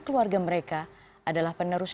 keluarga mereka adalah penerus